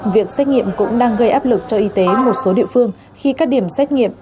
việc xét nghiệm cũng đang gây áp lực cho y tế một số địa phương khi các điểm xét nghiệm